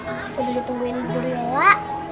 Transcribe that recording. aku udah ditungguin di buru yola